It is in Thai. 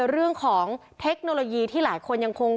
เรื่องของเทคโนโลยีที่หลายคนยังคง